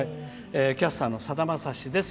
キャスターのさだまさしです。